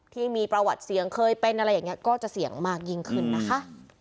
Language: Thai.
ที่มีประวัติเสี่ยงเคยเป็นก็จะเสี่ยงมากยิ่งขึ้นนะคะ